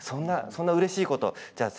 そんなうれしいことを。